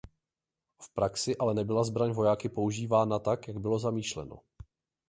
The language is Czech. V praxi ale nebyla zbraň vojáky používána tak jak bylo zamýšleno.